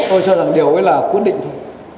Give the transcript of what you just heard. tôi cho rằng điều ấy là quyết định thôi